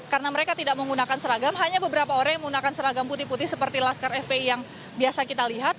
karena mereka tidak menggunakan seragam hanya beberapa orang yang menggunakan seragam putih putih seperti laskar fpi yang biasa kita lihat